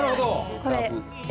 これ。